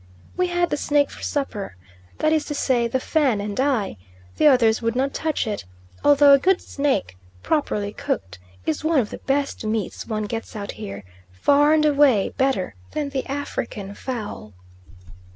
We had the snake for supper, that is to say the Fan and I; the others would not touch it, although a good snake, properly cooked, is one of the best meats one gets out here, far and away better than the African fowl.